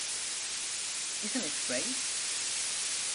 Isn't it great?